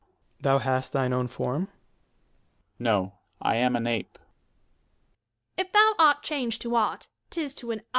_ Thou hast thine own form. Dro. S. No, I am an ape. Luc. If thou art chang'd to aught, 'tis to an ass.